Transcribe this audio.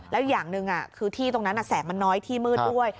แล้วอย่างหนึ่งคือที่ตรงนั้นแสงมันน้อยที่มืดด้วย